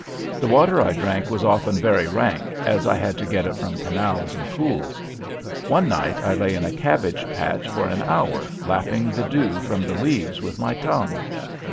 The water I drank was often very rank, as I had to get it from canals and pools. One night I lay in a cabbage patch for an hour lapping the dew from the leaves with my tongue!